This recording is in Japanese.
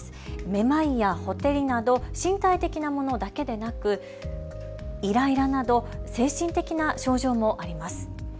めまいやほてりなど身体的なものだけでなく、イライラなど精神的な症状もあります。